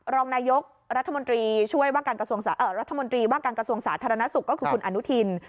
รองนายกรัฐมนตรีช่วยรัฐมนตรีว่าการกระทรวงสาธารณสุขก็คือคุณอนุทิน